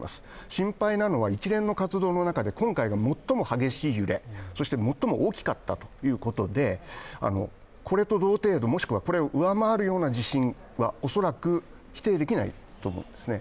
心配なのは一連の活動の中で今回が最も激しい揺れ、そして最も大きかったということでこれと同程度、もしくはこれを上回るような地震は恐らく否定できないと思うんですね。